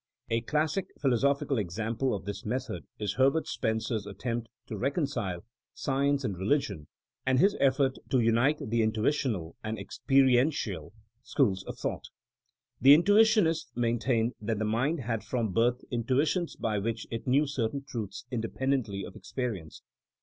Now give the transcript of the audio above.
A dassic philo sophical example of this method is Herbert Spencer *s attempt to reconcile science and re THINEINO AS A SCIENCE 63 ligion, and his effort to unite the ^ ^ntnitionaP ' and *' experiential" schools of thought. The intuitionists maintained that the mind had from birth intuitions by which it knew certain truths independently of experience.